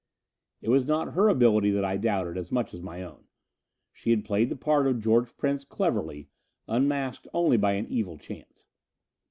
It was not her ability that I doubted as much as my own. She had played the part of George Prince cleverly, unmasked only by an evil chance.